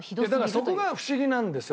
そこがフシギなんですよ